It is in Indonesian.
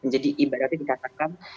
jadi ibarat diikatakan